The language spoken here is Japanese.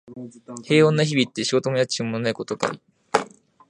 平穏な日々って、仕事も家賃もないことかい？